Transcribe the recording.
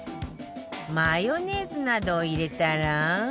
マヨネーズなどを入れたら